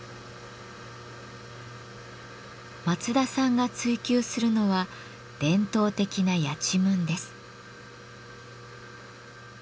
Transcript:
松田さんが追求するのは伝統的なやちむんです。